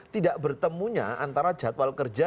tidak bertemunya antara jadwal kerja